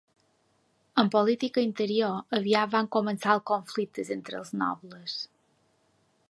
En política interior aviat van començar els conflictes entre els nobles.